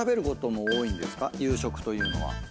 夕食というのは。